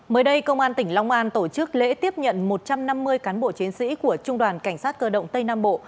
mới đây công an tỉnh long an tổ chức lễ tiếp nhận một trăm năm mươi cán bộ chiến sĩ của trung đoàn cảnh sát cơ động tây nam bộ